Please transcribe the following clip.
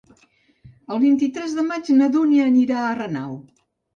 El vint-i-tres de maig na Dúnia anirà a Renau.